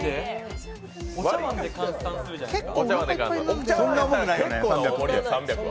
お茶わんで換算するじゃないですか。